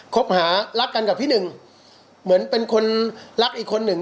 คบหารักกันกับพี่หนึ่งเหมือนเป็นคนรักอีกคนหนึ่ง